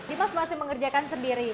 dimas masih mengerjakan sendiri